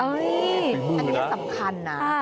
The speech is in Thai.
อันนี้สำคัญนะ